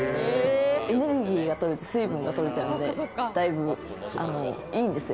エネルギーがとれて水分がとれるので、だいぶいいんですよ。